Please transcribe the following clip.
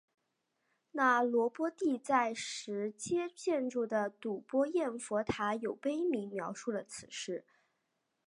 那罗波帝在实皆建立的睹波焰佛塔有碑铭描述了此事。